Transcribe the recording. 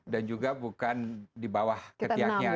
dan juga bukan di bawah ketiaknya